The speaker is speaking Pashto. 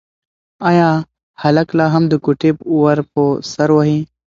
ایا هلک لا هم د کوټې ور په سر وهي؟